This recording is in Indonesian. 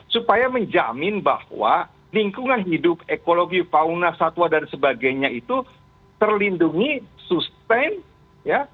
supaya menjamin bahwa lingkungan hidup ekologi fauna satwa dan sebagainya itu terlindungi sustain ya